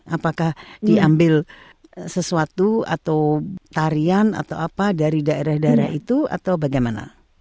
apakah diambil sesuatu atau tarian atau apa dari daerah daerah itu atau bagaimana